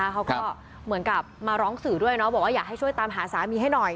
เขาก็เหมือนกับมาร้องสื่อด้วยบอกว่าอยากให้ช่วยตามหาสามีให้หน่อย